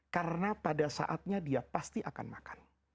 karena pada saatnya dia pasti akan makan